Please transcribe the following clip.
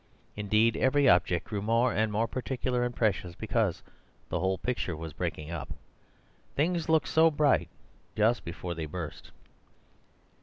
Indeed, every object grew more and more particular and precious because the whole picture was breaking up. Things look so bright just before they burst.